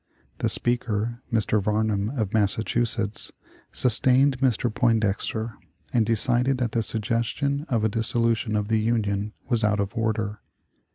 The Speaker (Mr. Varnum, of Massachusetts) sustained Mr. Poindexter, and decided that the suggestion of a dissolution of the Union was out of order.